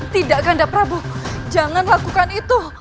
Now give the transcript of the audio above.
tidak ayah anda prabu jangan lakukan itu